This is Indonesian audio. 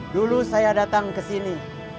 dulu saya datang kesini